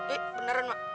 eh beneran mak